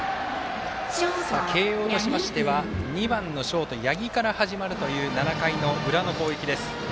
慶応としましては２番のショート、八木から始まる７回の裏の攻撃です。